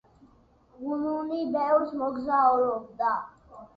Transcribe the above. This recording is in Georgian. ბუნინი ბევრს მოგზაურობდა.